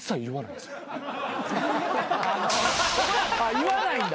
言わないんだ。